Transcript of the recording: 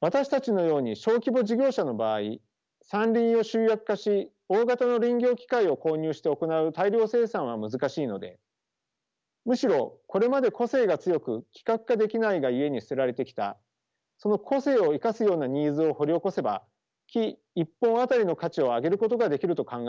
私たちのように小規模事業者の場合山林を集約化し大型の林業機械を購入して行う大量生産は難しいのでむしろこれまで個性が強く規格化できないがゆえに捨てられてきたその個性を生かすようなニーズを掘り起こせば木１本当たりの価値を上げることができると考えたのです。